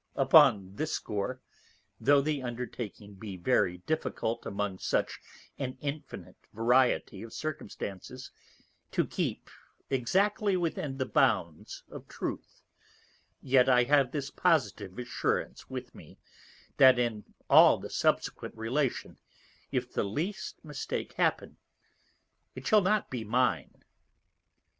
_ _Upon this score, tho' the Undertaking be very difficult among such an infinite variety of Circumstances, to keep, exactly within the bounds of Truth; yet I have this positive Assurance with me, that in all the subsequent Relation, if the least Mistake happen, it shall not be mine.